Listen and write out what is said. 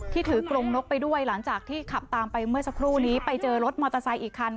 ถือกรงนกไปด้วยหลังจากที่ขับตามไปเมื่อสักครู่นี้ไปเจอรถมอเตอร์ไซค์อีกคัน